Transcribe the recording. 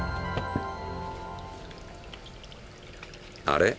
あれ？